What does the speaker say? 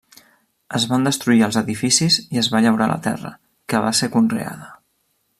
Es van destruir els edificis i es va llaurar la terra, que va ser conreada.